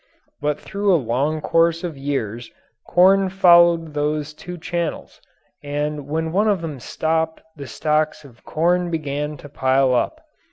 But through a long course of years corn followed those two channels, and when one of them stopped the stocks of corn began to pile up.